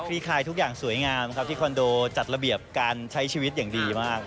คลายทุกอย่างสวยงามครับที่คอนโดจัดระเบียบการใช้ชีวิตอย่างดีมาก